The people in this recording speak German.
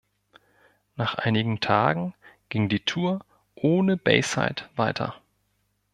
Nach einigen Tagen ging die Tour ohne Bayside weiter.